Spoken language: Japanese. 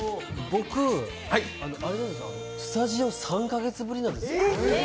僕、スタジオ３カ月ぶりなんです。